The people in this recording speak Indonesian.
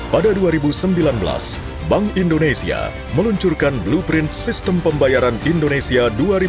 pada dua ribu sembilan belas bank indonesia meluncurkan blueprint sistem pembayaran indonesia dua ribu dua puluh